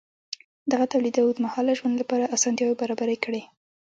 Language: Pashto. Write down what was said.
دغه تولید د اوږدمهاله ژوند لپاره اسانتیاوې برابرې کړې.